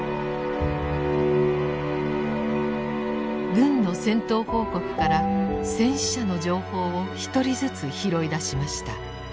軍の戦闘報告から戦死者の情報を一人ずつ拾い出しました。